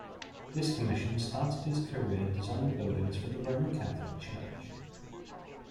This commission started his career designing buildings for the Roman Catholic Church.